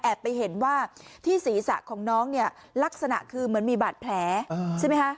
ไปเห็นว่าที่ศีรษะของน้องเนี่ยลักษณะคือเหมือนมีบาดแผลใช่ไหมคะ